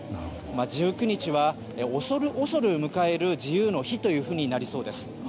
１９日は恐る恐る迎える自由の日となりそうです。